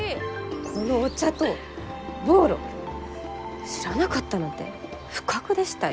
このお茶とボーロ知らなかったなんて不覚でしたよ。